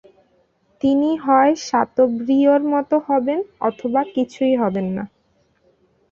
তিনি হয় শাতোব্রিয়ঁর মতো হবেন অথবা কিছুই হবেন না।